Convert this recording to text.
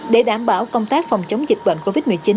để đảm bảo công tác phòng chống dịch bệnh covid một mươi chín